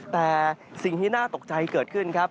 แต่สิ่งที่น่าตกใจเกิดขึ้นครับ